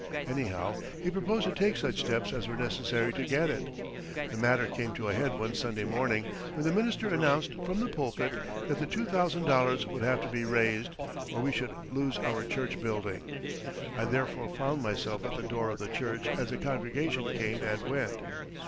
Anyhow, he proposed to take such steps as were necessary to get it. The matter came to a head one Sunday morning, when the minister announced from the pulpit that the $2,000 would have to be raised, or we should lose our church building. I therefore found myself at the door of the church as the congregation came and went.